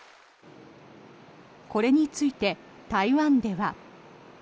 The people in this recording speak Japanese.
これについて台湾では。